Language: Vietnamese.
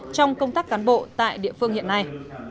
trong công tác cán bộ tại địa phương hiện nay